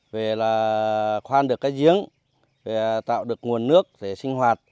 về là khoan được cái giếng về tạo được nguồn nước để sinh hoạt